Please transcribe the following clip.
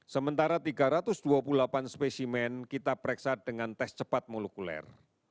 sementara tiga ratus dua puluh delapan spesimen kita pereksa dengan tes cepat molekuler